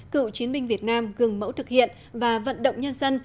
cựu chiến binh việt nam gừng mẫu thực hiện và vận động nhân dân